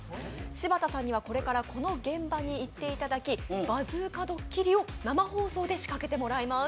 柴田さんにはこれからこの現場に行っていただきバズーカドッキリを生放送で仕掛けていただきます。